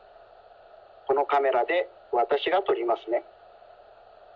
このカメラでわたしがとりますね。